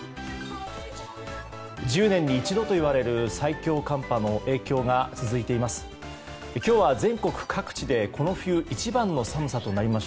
１０年に一度といわれる最強寒波の影響が続いています。